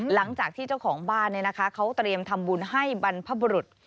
หลังจากที่เจ้าของบ้านเขาเตรียมทำบุญให้บรรพบรุษ